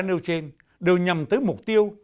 nêu trên đều nhằm tới mục tiêu